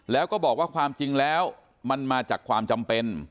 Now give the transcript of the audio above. แล้วก็บอกว่าความจริงแล้วมันมาจากความจำเป็น